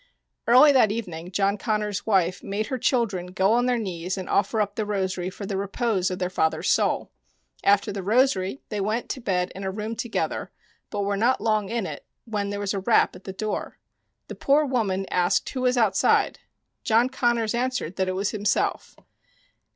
Early that evening John Connors' wife made her children go on their knees and offer up the rosary for the repose of their father's soul. After the rosary they went to bed in a room together, but were not long in it when there was a rap at the door. The poor woman asked who was outside. John Connors answered that it was himself.